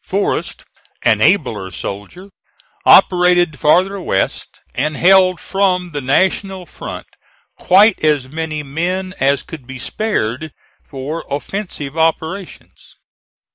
Forrest, an abler soldier, operated farther west, and held from the National front quite as many men as could be spared for offensive operations.